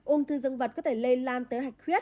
ung thư dương vật có thể lây lan tới hạch khuyết